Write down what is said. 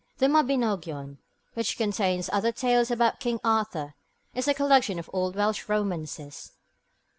The Mabinogion, which contains other tales about King Arthur, is a collection of old Welsh romances.